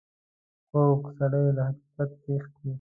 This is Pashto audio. کوږ سړی له حقیقت تښتي